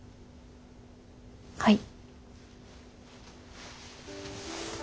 はい。